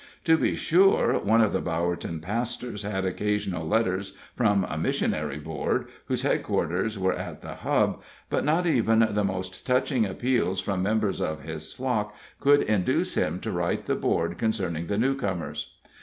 To be sure, one of the Bowerton pastors had occasional letters from a missionary board, whose headquarters were at the Hub, but not even the most touching appeals from members of his flock could induce him to write the board concerning the newcomers.